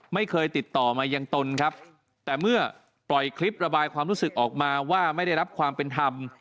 ไม่เคยติดต่อมายังตนครับแต่เมื่อปล่อยคลิประบายความรู้สึกออกมาว่าไม่ได้รับความเป็นธรรม